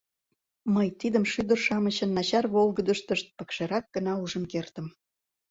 мый тидым шӱдыр-шамычын начар волгыдыштышт пыкшерак гына ужын кертым